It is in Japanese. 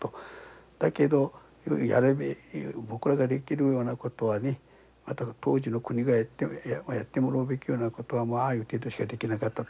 だけど僕らができるようなことはね当時の国がやってもらうべきようなことはああいう程度しかできなかったと。